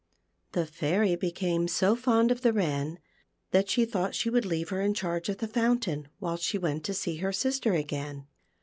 The Fairy became so fond of the Wren that she thought she would leave her in charge of the fountain, whilst she went to see her sister again.